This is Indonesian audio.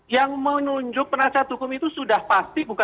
yang menunjuk penasihat hukum itu sudah pasti bukan